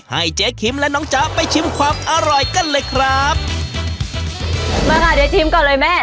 ให้เจ๊คิมและน้องจ๊ะไปชิมความอร่อยกันเลยครับมาค่ะเดี๋ยวชิมก่อนเลยแม่